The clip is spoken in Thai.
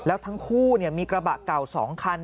แล้วทั้งคู่มีกระบะเก่า๒คัน